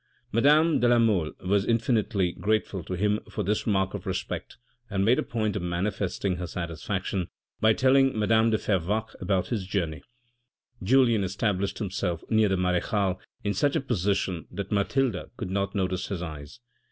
Madame de la Mole was infinitely grateful to him for this mark of respect and made a point of manifesting her satisfaction by telling madame de Fervaques about his journey. Julien established himself near the marechale in such a posi tion that Mathilde could not notice his eyes.